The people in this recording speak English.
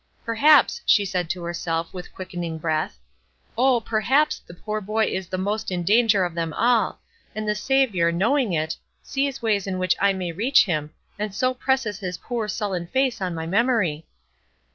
"Perhaps," she said to herself, with quickening breath, "oh, perhaps the poor boy is the most in danger of them all, and the Saviour, knowing it, sees ways in which I may reach him, and so presses his poor, sullen face on my memory."